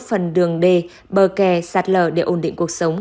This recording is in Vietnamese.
phần đường đê bờ kè sạt lở để ổn định cuộc sống